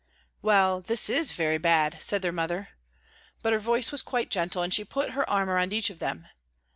"Well, this is very bad," said their mother. But her voice was quite gentle, and she put her arm around each of them.